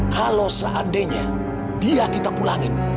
kalau seandainya bila kita pulangin